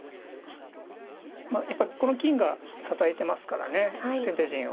まあやっぱりこの金が支えてますからね先手陣を。